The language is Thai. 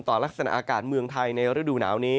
ลักษณะอากาศเมืองไทยในฤดูหนาวนี้